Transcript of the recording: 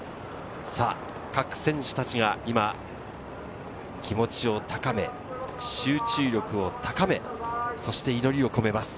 さぁ各選手たちが今、気持ちを高め、集中力を高め、そして祈りを込めます。